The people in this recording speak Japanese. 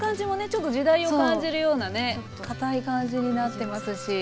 ちょっと時代を感じるようなね硬い感じになってますし。